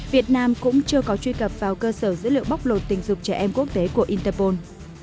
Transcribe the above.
việt nam cũng chưa có truy cập vào cơ sở dữ liệu bóc lột tình dục trẻ em quốc tế của interpol